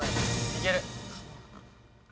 いける。